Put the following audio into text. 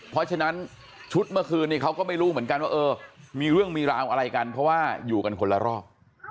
เพราะฉะนั้นชุดเมื่อคืนนี้เขาก็ไม่รู้เหมือนกันว่าเออมีเรื่องมีราวอะไรกันเพราะว่าอยู่กันคนละรอบ